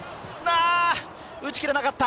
あ、打ちきれなかった。